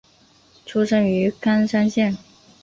出身于冈山县。